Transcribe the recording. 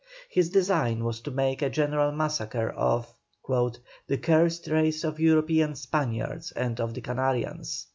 His design was to make a general massacre of "the cursed race of European Spaniards and of the Canarians."